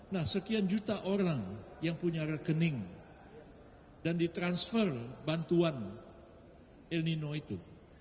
nah sekian juta orang yang punya rekening dan ditransfer bantuan el nino itu